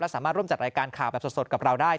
สามารถร่วมจัดรายการข่าวแบบสดกับเราได้